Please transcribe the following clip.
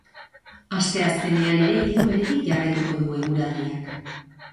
Asteazkenean ere ildo beretik jarraituko du eguraldiak.